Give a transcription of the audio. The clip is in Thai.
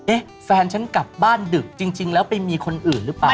แฟนฉันกลับบ้านดึกจริงแล้วไปมีคนอื่นหรือเปล่า